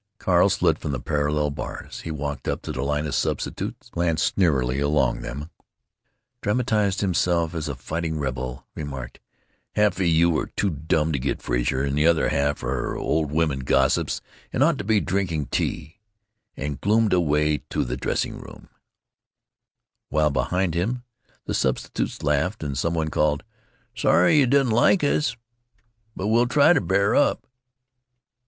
Carl slid from the parallel bars. He walked up to the line of substitutes, glanced sneeringly along them, dramatized himself as a fighting rebel, remarked, "Half of you are too dumm to get Frazer, and the other half are old woman gossips and ought to be drinking tea," and gloomed away to the dressing room, while behind him the substitutes laughed, and some one called: "Sorry you don't like us, but we'll try to bear up.